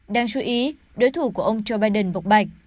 đáng chú ý đối thủ của ông joe biden vực bạch